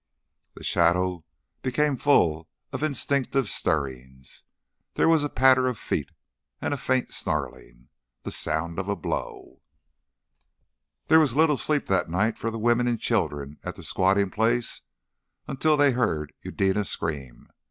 The shadow became full of instinctive stirrings. There was a patter of feet, and a faint snarling the sound of a blow. There was little sleep that night for the women and children at the squatting place until they heard Eudena scream.